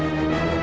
ya teh siap